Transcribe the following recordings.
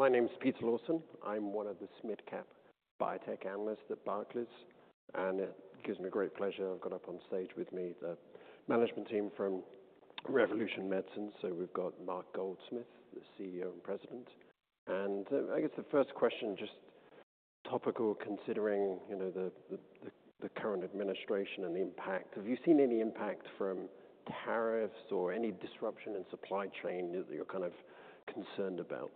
My name is Peter Lawson. I'm one of the SMID Cap Biotech Analysts at Barclays, and it gives me great pleasure. I've got up on stage with me the management team from Revolution Medicines. We have Mark Goldsmith, the CEO and President. I guess the first question, just topical, considering the current administration and the impact. Have you seen any impact from tariffs or any disruption in supply chain that you're kind of concerned about?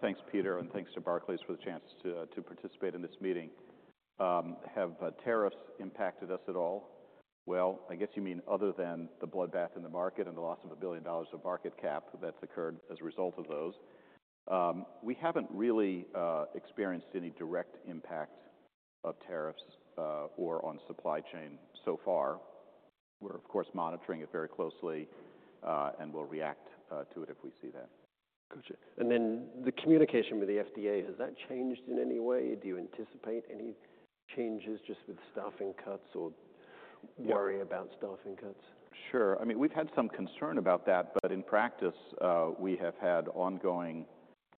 Thanks, Peter, and thanks to Barclays for the chance to participate in this meeting. Have tariffs impacted us at all? I guess you mean other than the bloodbath in the market and the loss of $1 billion of market cap that's occurred as a result of those. We haven't really experienced any direct impact of tariffs or on supply chain so far. We're, of course, monitoring it very closely and will react to it if we see that. Gotcha. The communication with the FDA, has that changed in any way? Do you anticipate any changes just with staffing cuts or worry about staffing cuts? Sure. I mean, we've had some concern about that, but in practice, we have had ongoing,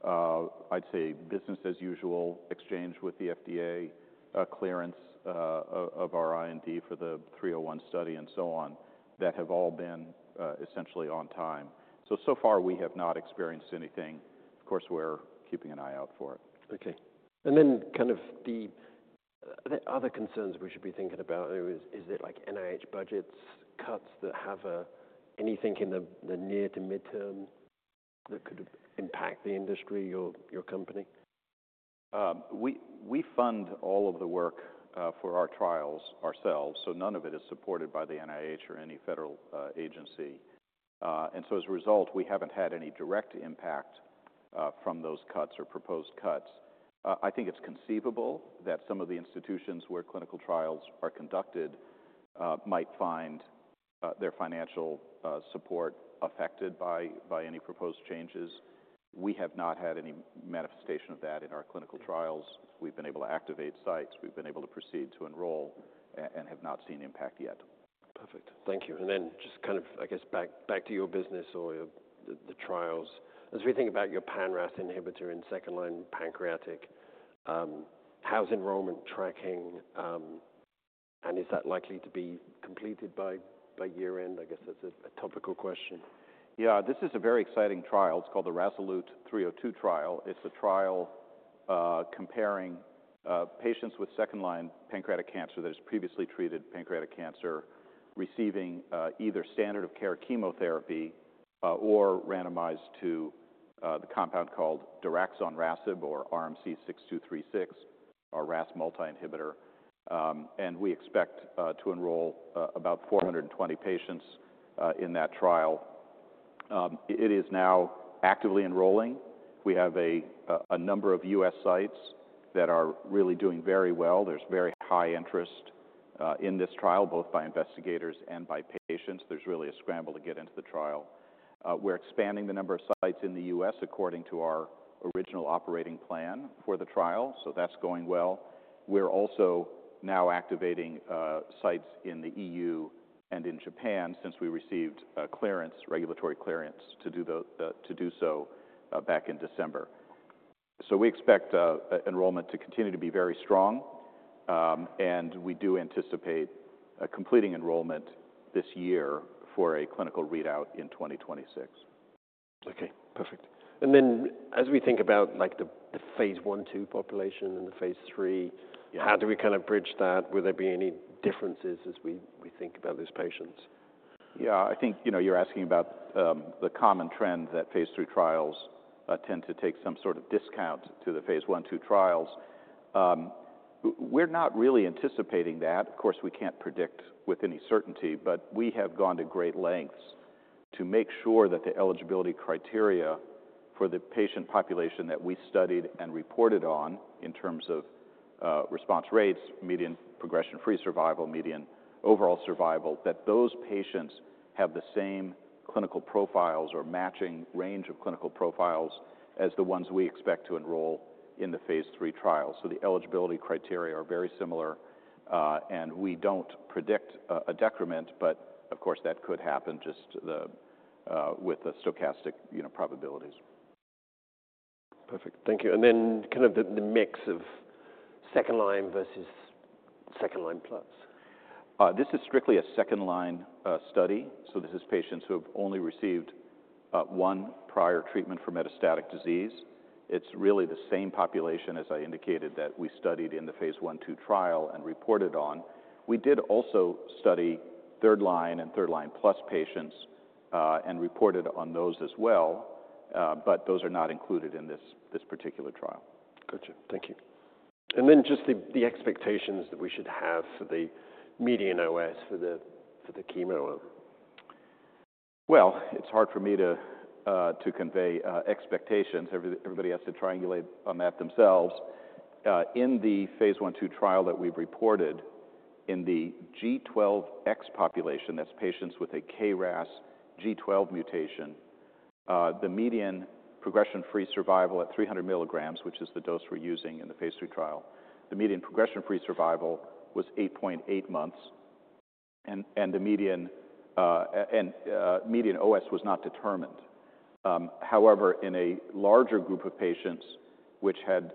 I'd say, business as usual exchange with the FDA, clearance of our IND for the 301 study and so on, that have all been essentially on time. So far, we have not experienced anything. Of course, we're keeping an eye out for it. Okay. Kind of the other concerns we should be thinking about, is it like NIH budgets, cuts that have anything in the near to midterm that could impact the industry or your company? We fund all of the work for our trials ourselves, so none of it is supported by the NIH or any federal agency. As a result, we haven't had any direct impact from those cuts or proposed cuts. I think it's conceivable that some of the institutions where clinical trials are conducted might find their financial support affected by any proposed changes. We have not had any manifestation of that in our clinical trials. We've been able to activate sites. We've been able to proceed to enroll and have not seen impact yet. Perfect. Thank you. Just kind of, I guess, back to your business or the trials. As we think about your pan-RAS inhibitor in second-line pancreatic, how's enrollment tracking, and is that likely to be completed by year-end? I guess that's a topical question. Yeah, this is a very exciting trial. It's called the RASolute 302 trial. It's a trial comparing patients with second-line pancreatic cancer that has previously treated pancreatic cancer, receiving either standard of care chemotherapy or randomized to the compound called daraxonrasib or RMC-6236, our RAS multi-inhibitor. We expect to enroll about 420 patients in that trial. It is now actively enrolling. We have a number of U.S. sites that are really doing very well. There's very high interest in this trial, both by investigators and by patients. There's really a scramble to get into the trial. We're expanding the number of sites in the U.S. according to our original operating plan for the trial, so that's going well. We're also now activating sites in the EU and in Japan since we received regulatory clearance to do so back in December. We expect enrollment to continue to be very strong, and we do anticipate completing enrollment this year for a clinical readout in 2026. Okay, perfect. As we think about the phase I/ll population and the phase III, how do we kind of bridge that? Will there be any differences as we think about those patients? Yeah, I think you're asking about the common trend that phase III trials tend to take some sort of discount to the phase I and II trials. We're not really anticipating that. Of course, we can't predict with any certainty, but we have gone to great lengths to make sure that the eligibility criteria for the patient population that we studied and reported on in terms of response rates, median progression-free survival, median overall survival, that those patients have the same clinical profiles or matching range of clinical profiles as the ones we expect to enrol in the phase III trials. The eligibility criteria are very similar, and we don't predict a decrement, but of course, that could happen just with the stochastic probabilities. Perfect. Thank you. And then kind of the mix of second-line versus second-line plus? This is strictly a second-line study, so this is patients who have only received one prior treatment for metastatic disease. It's really the same population as I indicated that we studied in the phase I to trial and reported on. We did also study third-line and third-line plus patients and reported on those as well, but those are not included in this particular trial. Gotcha. Thank you. And then just the expectations that we should have for the median OS for the chemo? It's hard for me to convey expectations. Everybody has to triangulate on that themselves. In the phase I and II trial that we've reported in the G12X population, that's patients with a KRAS G12 mutation, the median progression-free survival at 300 mg, which is the dose we're using in the phase III trial, the median progression-free survival was 8.8 months, and the median OS was not determined. However, in a larger group of patients which had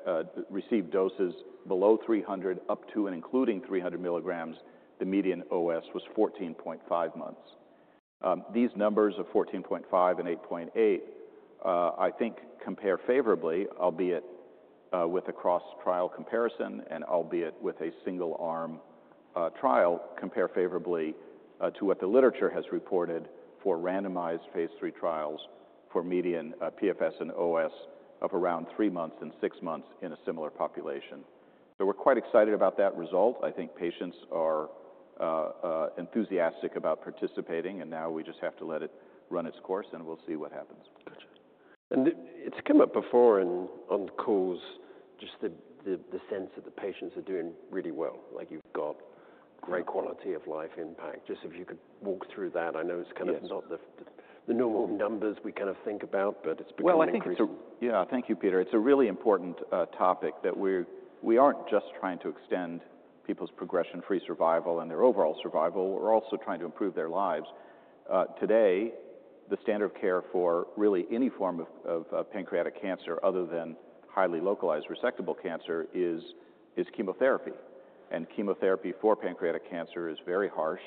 received doses below 300, up to and including 300 mg, the median OS was 14.5 months. These numbers of 14.5 months and 8.8 months, I think, compare favorably, albeit with a cross-trial comparison and albeit with a single-arm trial, compare favorably to what the literature has reported for randomized phase III trials for median PFS and OS of around three months and six months in a similar population. We are quite excited about that result. I think patients are enthusiastic about participating, and now we just have to let it run its course, and we'll see what happens. Gotcha. It has come up before on calls, just the sense that the patients are doing really well, like you've got great quality of life impact. Just if you could walk through that. I know it's kind of not the normal numbers we kind of think about, but it's becoming increasing. Thank you, Peter. It's a really important topic that we aren't just trying to extend people's progression-free survival and their overall survival. We're also trying to improve their lives. Today, the standard of care for really any form of pancreatic cancer other than highly localized resectable cancer is chemotherapy. Chemotherapy for pancreatic cancer is very harsh.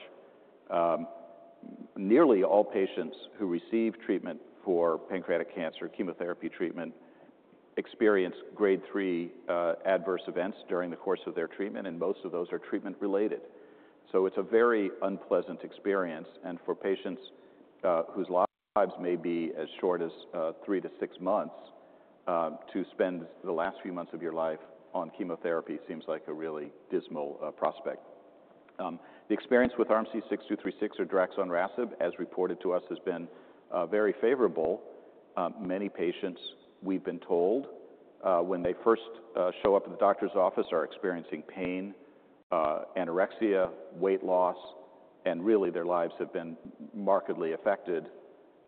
Nearly all patients who receive treatment for pancreatic cancer, chemotherapy treatment, experience grade three adverse events during the course of their treatment, and most of those are treatment-related. It's a very unpleasant experience, and for patients whose lives may be as short as three to six months, to spend the last few months of your life on chemotherapy seems like a really dismal prospect. The experience with RMC-6236 or daraxonrasib, as reported to us, has been very favorable. Many patients, we've been told, when they first show up at the doctor's office, are experiencing pain, anorexia, weight loss, and really their lives have been markedly affected.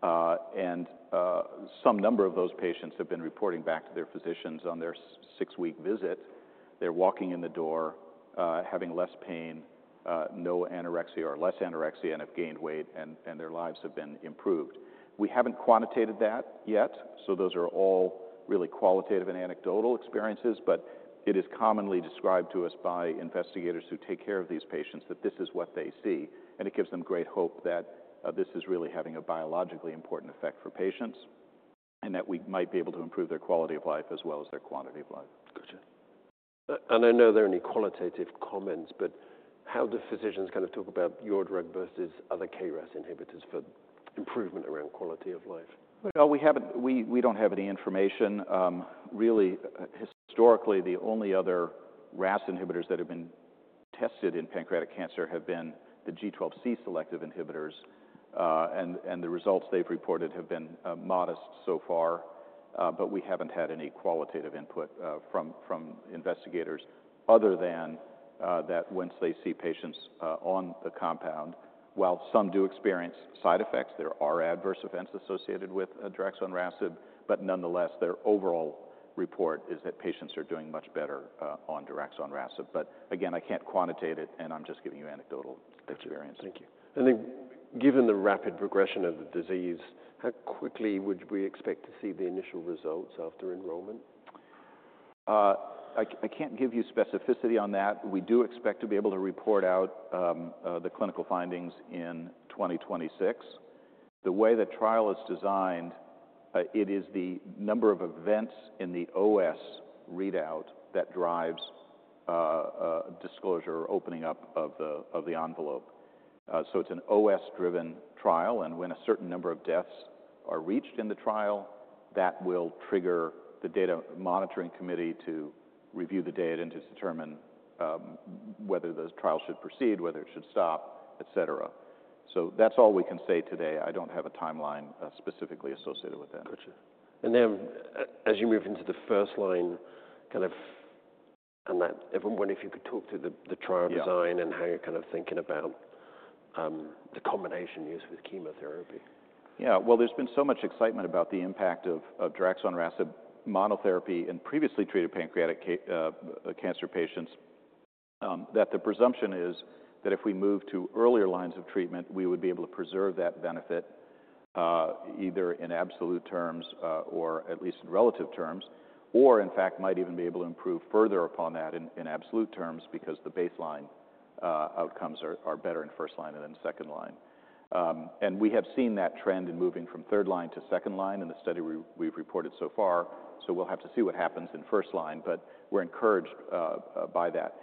Some number of those patients have been reporting back to their physicians on their six-week visit. They're walking in the door, having less pain, no anorexia or less anorexia, and have gained weight, and their lives have been improved. We haven't quantitated that yet, so those are all really qualitative and anecdotal experiences, but it is commonly described to us by investigators who take care of these patients that this is what they see, and it gives them great hope that this is really having a biologically important effect for patients and that we might be able to improve their quality of life as well as their quantity of life. Gotcha. I know there are any qualitative comments, but how do physicians kind of talk about your drug versus other KRAS inhibitors for improvement around quality of life? We don't have any information. Really, historically, the only other RAS inhibitors that have been tested in pancreatic cancer have been the G12C selective inhibitors, and the results they've reported have been modest so far, but we haven't had any qualitative input from investigators other than that once they see patients on the compound, while some do experience side effects, there are adverse events associated with daraxonrasib, but nonetheless, their overall report is that patients are doing much better on daraxonrasib. Again, I can't quantitate it, and I'm just giving you anecdotal experience. Thank you. Given the rapid progression of the disease, how quickly would we expect to see the initial results after enrollment? I can't give you specificity on that. We do expect to be able to report out the clinical findings in 2026. The way the trial is designed, it is the number of events in the OS readout that drives disclosure or opening up of the envelope. It is an OS-driven trial, and when a certain number of deaths are reached in the trial, that will trigger the data monitoring committee to review the data and to determine whether the trial should proceed, whether it should stop, et cetera. That is all we can say today. I don't have a timeline specifically associated with that. Gotcha. As you move into the first line, kind of, I wonder if you could talk to the trial design and how you're kind of thinking about the combination used with chemotherapy. Yeah, there has been so much excitement about the impact of daraxonrasib monotherapy in previously treated pancreatic cancer patients that the presumption is that if we move to earlier lines of treatment, we would be able to preserve that benefit either in absolute terms or at least in relative terms, or in fact, might even be able to improve further upon that in absolute terms because the baseline outcomes are better in first-line and then second-line. We have seen that trend in moving from third-line to second-line in the study we have reported so far, so we will have to see what happens in first line, but we are encouraged by that.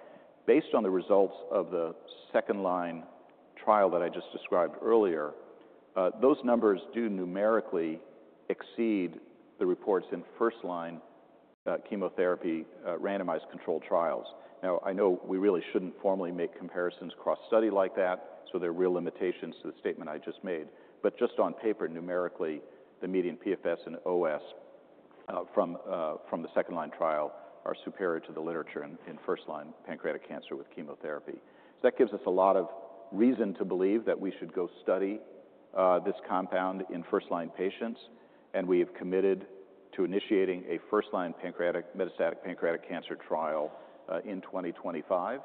Based on the results of the second-line trial that I just described earlier, those numbers do numerically exceed the reports in first-line chemotherapy randomized controlled trials. Now, I know we really shouldn't formally make comparisons cross-study like that, so there are real limitations to the statement I just made. But just on paper, numerically, the median PFS and OS from the second-line trial are superior to the literature in first-line pancreatic cancer with chemotherapy. That gives us a lot of reason to believe that we should go study this compound in first-line patients, and we have committed to initiating a first-line metastatic pancreatic cancer trial in 2025.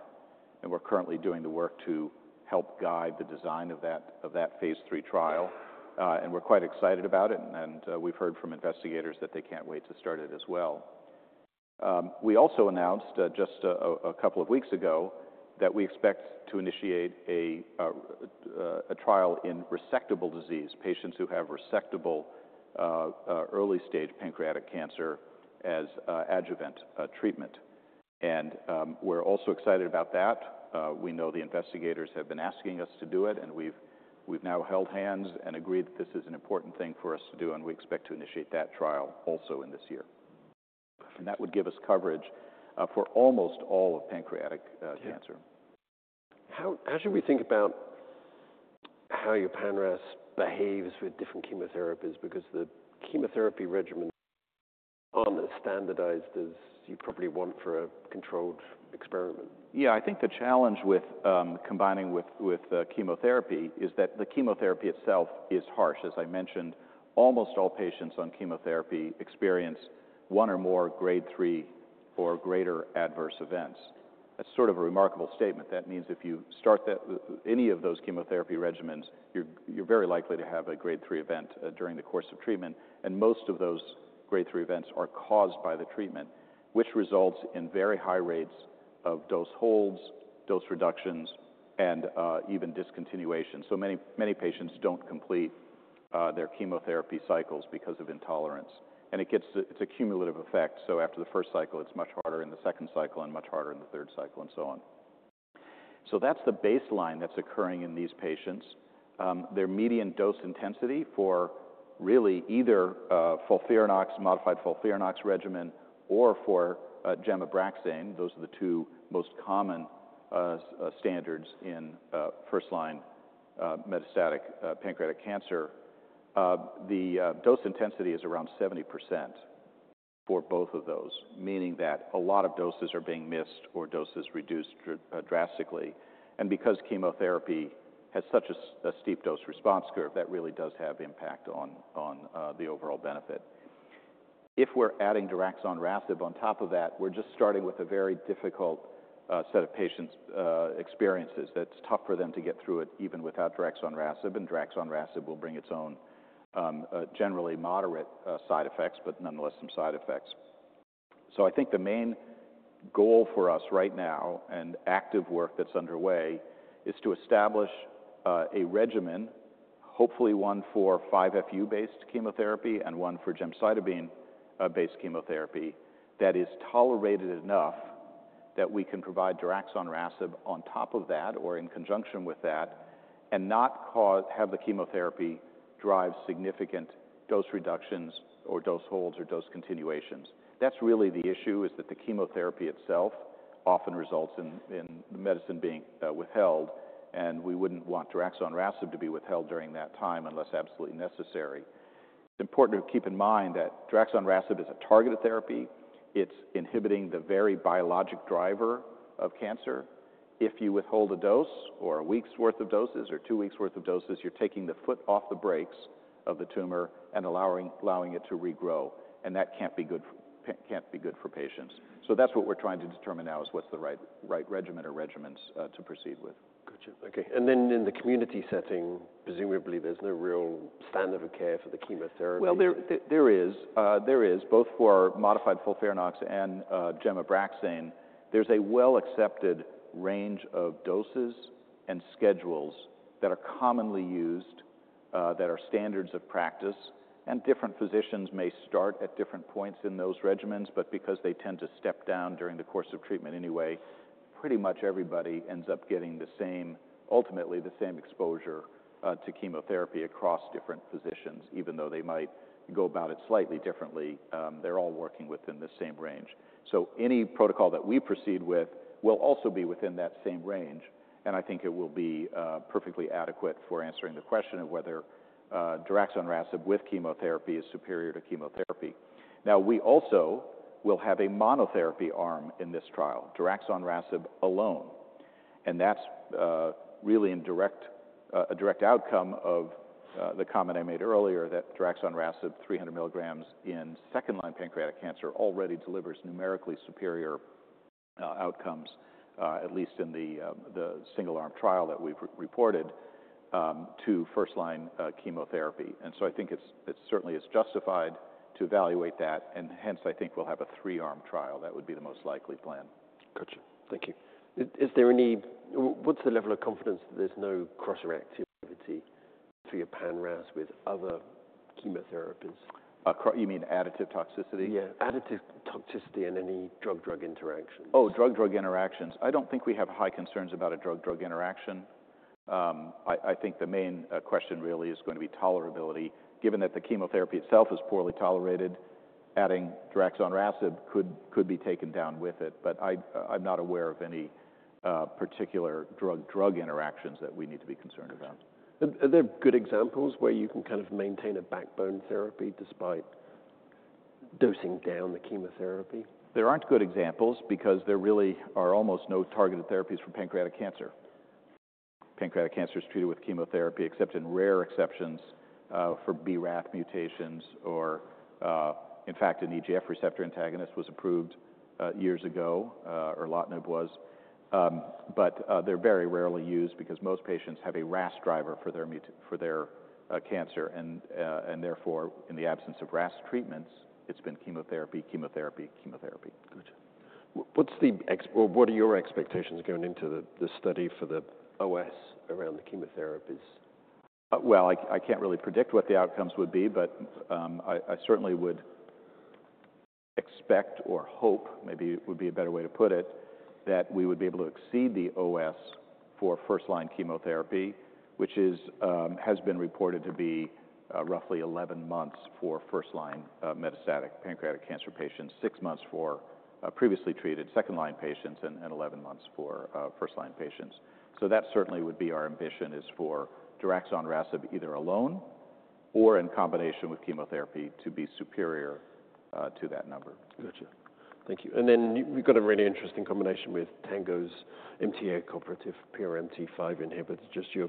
We're currently doing the work to help guide the design of that phase III trial, and we're quite excited about it, and we've heard from investigators that they can't wait to start it as well. We also announced just a couple of weeks ago that we expect to initiate a trial in resectable disease, patients who have resectable early-stage pancreatic cancer as adjuvant treatment. We are also excited about that. We know the investigators have been asking us to do it, and we have now held hands and agreed that this is an important thing for us to do, and we expect to initiate that trial also in this year. That would give us coverage for almost all of pancreatic cancer. How should we think about how your pan-RAS behaves with different chemotherapies because the chemotherapy regimen is not as standardized as you probably want for a controlled experiment? Yeah, I think the challenge with combining with chemotherapy is that the chemotherapy itself is harsh. As I mentioned, almost all patients on chemotherapy experience one or more grade three or greater adverse events. That is sort of a remarkable statement. That means if you start any of those chemotherapy regimens, you are very likely to have a grade three event during the course of treatment, and most of those grade three events are caused by the treatment, which results in very high rates of dose holds, dose reductions, and even discontinuation. Many patients do not complete their chemotherapy cycles because of intolerance, and it is a cumulative effect. After the first cycle, it is much harder in the second cycle and much harder in the third cycle and so on. That is the baseline that is occurring in these patients. Their median dose intensity for really either FOLFIRINOX, modified FOLFIRINOX regimen, or for Gem/Abraxane, those are the two most common standards in first-line metastatic pancreatic cancer. The dose intensity is around 70% for both of those, meaning that a lot of doses are being missed or doses reduced drastically. Because chemotherapy has such a steep dose response curve, that really does have impact on the overall benefit. If we're adding daraxonrasib on top of that, we're just starting with a very difficult set of patients' experiences. That's tough for them to get through it even without daraxonrasib, and daraxonrasib will bring its own generally moderate side effects, but nonetheless some side effects. I think the main goal for us right now and active work that's underway is to establish a regimen, hopefully one for 5-FU-based chemotherapy and one for gemcitabine-based chemotherapy that is tolerated enough that we can provide daraxonrasib on top of that or in conjunction with that and not have the chemotherapy drive significant dose reductions or dose holds or dose continuations. That's really the issue is that the chemotherapy itself often results in the medicine being withheld, and we wouldn't want daraxonrasib to be withheld during that time unless absolutely necessary. It's important to keep in mind that daraxonrasib is a targeted therapy. It's inhibiting the very biologic driver of cancer. If you withhold a dose or a week's worth of doses or two weeks' worth of doses, you're taking the foot off the brakes of the tumor and allowing it to regrow, and that can't be good for patients. That is what we're trying to determine now is what's the right regimen or regimens to proceed with. Gotcha. Okay. In the community setting, presumably there's no real standard of care for the chemotherapy. There is both for modified FOLFIRINOX and Abraxane. There is a well-accepted range of doses and schedules that are commonly used, that are standards of practice, and different physicians may start at different points in those regimens, but because they tend to step down during the course of treatment anyway, pretty much everybody ends up getting ultimately the same exposure to chemotherapy across different physicians, even though they might go about it slightly differently. They are all working within the same range. Any protocol that we proceed with will also be within that same range, and I think it will be perfectly adequate for answering the question of whether daraxonrasib with chemotherapy is superior to chemotherapy. Now, we also will have a monotherapy arm in this trial, daraxonrasib alone, and that's really a direct outcome of the comment I made earlier that daraxonrasib 300 mg in second-line pancreatic cancer already delivers numerically superior outcomes, at least in the single-arm trial that we've reported, to first-line chemotherapy. I think it certainly is justified to evaluate that, and hence I think we'll have a three-arm trial. That would be the most likely plan. Gotcha. Thank you. Is there any, what's the level of confidence that there's no cross-reactivity for your pan-RAS with other chemotherapies? You mean additive toxicity? Yeah, additive toxicity and any drug-drug interactions. Oh, drug-drug interactions. I do not think we have high concerns about a drug-drug interaction. I think the main question really is going to be tolerability. Given that the chemotherapy itself is poorly tolerated, adding daraxonrasib could be taken down with it, but I am not aware of any particular drug-drug interactions that we need to be concerned about. Are there good examples where you can kind of maintain a backbone therapy despite dosing down the chemotherapy? There aren't good examples because there really are almost no targeted therapies for pancreatic cancer. Pancreatic cancer is treated with chemotherapy except in rare exceptions for BRAF mutations or, in fact, an EGF receptor antagonist was approved years ago, or erlotinib was, but they're very rarely used because most patients have a RAS driver for their cancer, and therefore, in the absence of RAS treatments, it's been chemotherapy, chemotherapy, chemotherapy. Gotcha. What are your expectations going into the study for the OS around the chemotherapies? I can't really predict what the outcomes would be, but I certainly would expect or hope, maybe it would be a better way to put it, that we would be able to exceed the OS for first-line chemotherapy, which has been reported to be roughly 11 months for first-line metastatic pancreatic cancer patients, 6 months for previously treated second-line patients, and 11 months for first-line patients. That certainly would be our ambition is for daraxonrasib either alone or in combination with chemotherapy to be superior to that number. Gotcha. Thank you. We have a really interesting combination with Tango's MTA cooperative PRMT5 inhibitors. Just your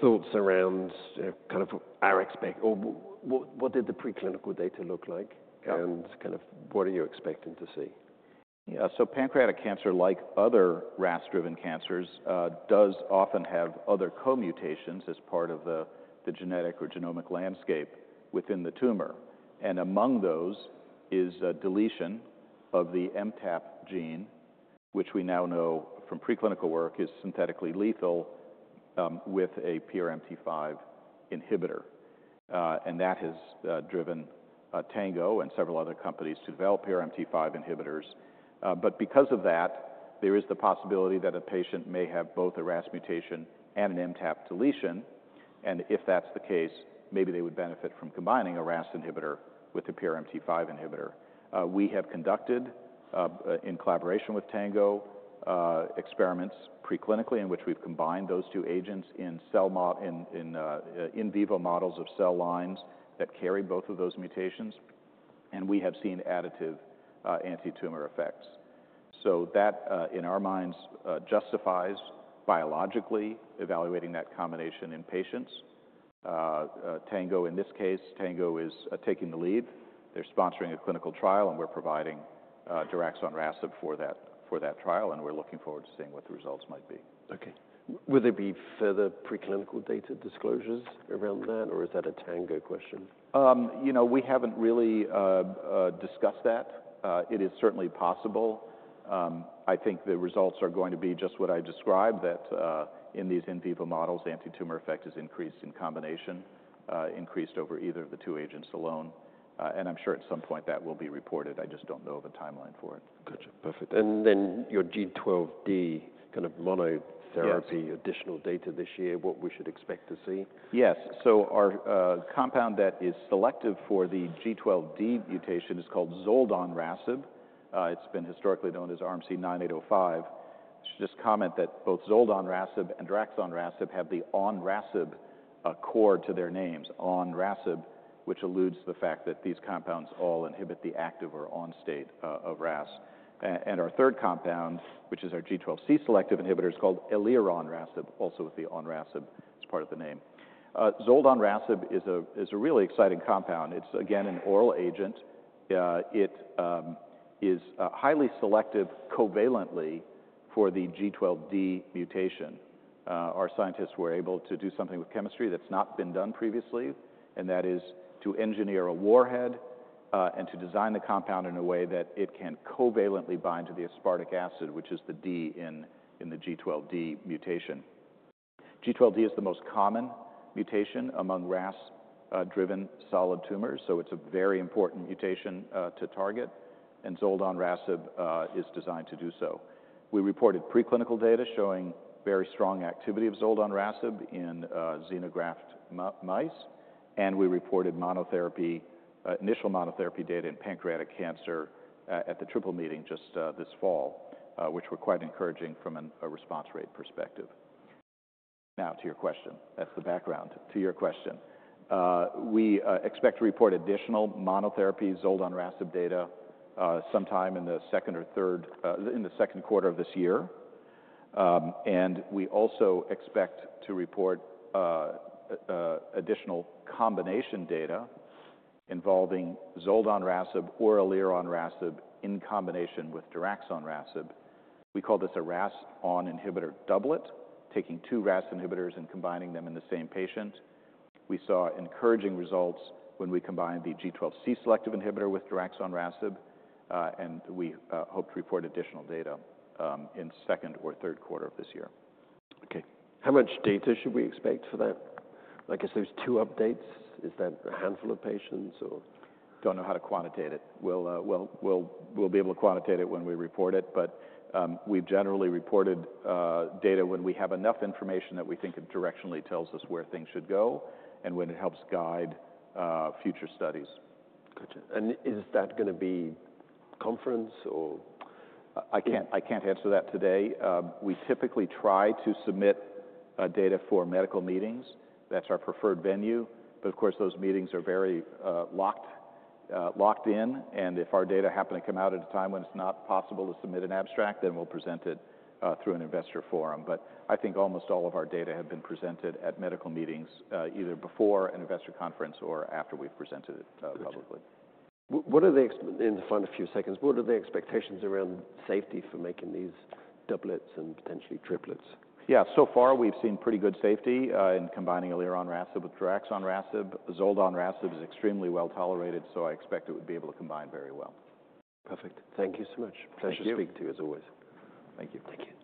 thoughts around kind of our expectations, what did the preclinical data look like, and kind of what are you expecting to see? Yeah, so pancreatic cancer, like other RAS-driven cancers, does often have other co-mutations as part of the genetic or genomic landscape within the tumor, and among those is deletion of the MTAP gene, which we now know from preclinical work is synthetically lethal with a PRMT5 inhibitor, and that has driven Tango and several other companies to develop PRMT5 inhibitors. Because of that, there is the possibility that a patient may have both a RAS mutation and an MTAP deletion, and if that's the case, maybe they would benefit from combining a RAS inhibitor with a PRMT5 inhibitor. We have conducted, in collaboration with Tango, experiments preclinically in which we've combined those two agents in in vivo models of cell lines that carry both of those mutations, and we have seen additive anti-tumor effects. That, in our minds, justifies biologically evaluating that combination in patients. Tango, in this case, Tango is taking the lead. They're sponsoring a clinical trial, and we're providing daraxonrasib for that trial, and we're looking forward to seeing what the results might be. Okay. Will there be further preclinical data disclosures around that, or is that a Tango question? You know, we haven't really discussed that. It is certainly possible. I think the results are going to be just what I described, that in these in vivo models, anti-tumor effect is increased in combination, increased over either of the two agents alone, and I'm sure at some point that will be reported. I just don't know of a timeline for it. Gotcha. Perfect. Your G12D kind of monotherapy additional data this year, what we should expect to see? Yes. Our compound that is selective for the G12D mutation is called zoldonrasib. It's been historically known as RMC-9805. Just comment that both zoldonrasib and daraxonrasib have the onrasib core to their names, onrasib, which alludes to the fact that these compounds all inhibit the active or on state of RAS. Our third compound, which is our G12C selective inhibitor, is called elironrasib, also with the onrasib as part of the name. Zoldonrasib is a really exciting compound. It's, again, an oral agent. It is highly selective covalently for the G12D mutation. Our scientists were able to do something with chemistry that's not been done previously, and that is to engineer a warhead and to design the compound in a way that it can covalently bind to the aspartic acid, which is the D in the G12D mutation. G12D is the most common mutation among RAS-driven solid tumors, so it's a very important mutation to target, and zoldonrasib is designed to do so. We reported preclinical data showing very strong activity of zoldonrasib in xenograft mice, and we reported monotherapy, initial monotherapy data in pancreatic cancer at the Triple Meeting just this fall, which were quite encouraging from a response rate perspective. Now, to your question, that's the background. To your question, we expect to report additional monotherapy zoldonrasib data sometime in the second or third, in the second quarter of this year, and we also expect to report additional combination data involving zoldonrasib or elironrasib in combination with daraxonrasib. We call this a RAS-on inhibitor doublet, taking two RAS inhibitors and combining them in the same patient. We saw encouraging results when we combined the G12C selective inhibitor with daraxonrasib, and we hope to report additional data in second or third quarter of this year. Okay. How much data should we expect for that? Like I said, there's two updates. Is that a handful of patients or? Don't know how to quantitate it. We'll be able to quantitate it when we report it, but we've generally reported data when we have enough information that we think it directionally tells us where things should go and when it helps guide future studies. Gotcha. Is that going to be conference or? I can't answer that today. We typically try to submit data for medical meetings. That's our preferred venue, but of course those meetings are very locked in, and if our data happen to come out at a time when it's not possible to submit an abstract, then we'll present it through an investor forum. I think almost all of our data have been presented at medical meetings either before an investor conference or after we've presented it publicly. Gotcha. In the final few seconds, what are the expectations around safety for making these doublets and potentially triplets? Yeah, so far we've seen pretty good safety in combining elironrasib with daraxonrasib. Zoldonrasib is extremely well tolerated, so I expect it would be able to combine very well. Perfect. Thank you so much. Pleasure to speak to you as always. Thank you. Thank you.